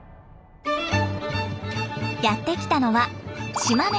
やって来たのは島根県益田市。